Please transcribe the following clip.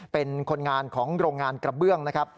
เป็นคนงานของโรงงานกระเบื้องนะครับ